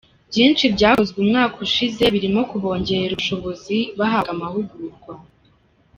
Byinshi byakozwe umwaka ushize birimo kubongerera ubushobozi bahabwa amahugurwa.